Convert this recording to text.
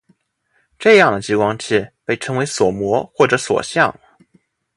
这样的激光器被称为锁模或者锁相。